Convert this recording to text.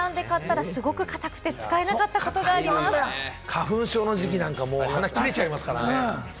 花粉症の時期なんかは、鼻切れちゃいますからね。